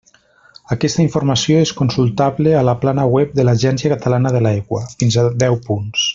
Aquesta informació és consultable a la plana web de l'Agència Catalana de l'Aigua: fins a deu punts.